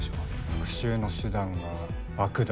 復讐の手段は爆弾。